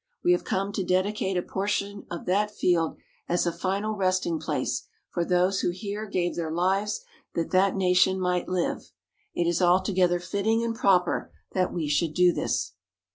We have come to dedicate a portion of that field as a final resting place for those who here gave their lives that that Nation might live. It is altogether fitting and proper that we should do this.